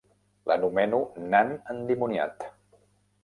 L'anomeno nan endimoniat.